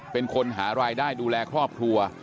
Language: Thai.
เป็นคนหารายได้ดูแลครอบครัว